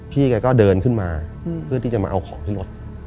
พี่แกก็เดินขึ้นมาเพื่อที่จะมาเอาของที่รถ